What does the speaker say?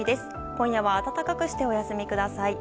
今夜は暖かくしてお休みください。